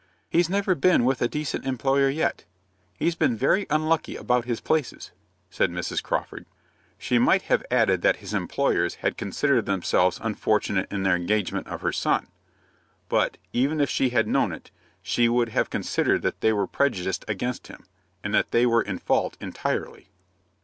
"He's never been with a decent employer yet. He's been very unlucky about his places," said Mrs. Crawford. She might have added that his employers had considered themselves unfortunate in their engagement of her son; but, even if she had known it, she would have considered that they were prejudiced against him, and that they were in fault entirely.